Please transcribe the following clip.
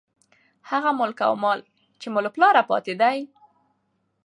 هغه ملک او مال، چې مو له پلاره پاتې دى.